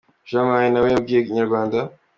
Jean Marie na we yabwiye Inyarwanda.